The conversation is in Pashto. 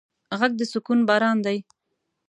غږ د سکون باران دی